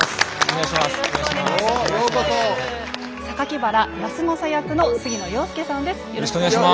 原康政役の杉野遥亮さんです。